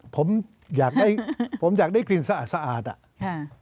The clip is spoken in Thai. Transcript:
ผมอยากได้กลิ่นสะอาดอ่ะ